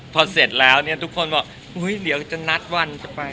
พอเสร็จเลยเนี่ยตุ้คคมันบอกเดี๋ยวจัดรับอันจะไป